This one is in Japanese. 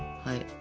はい。